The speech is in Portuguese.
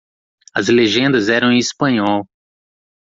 As legendas eram em Espanhol.